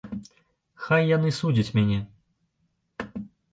Хай яны судзяць мяне.